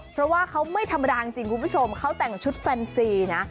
เพราะว่าเขาไม่ธรรมดาจริงคุณผู้ชมเขาแต่งชุดแฟนซีนะ